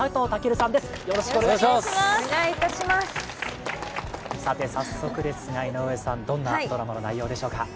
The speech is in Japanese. さて早速ですが、井上さん、どんなドラマの内容でしょうか？